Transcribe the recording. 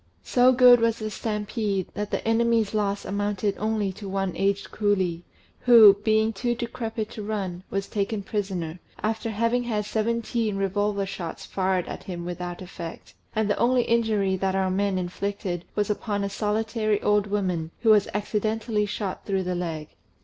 So good was the stampede, that the enemy's loss amounted only to one aged coolie, who, being too decrepit to run, was taken prisoner, after having had seventeen revolver shots fired at him without effect; and the only injury that our men inflicted was upon a solitary old woman, who was accidently shot through the leg.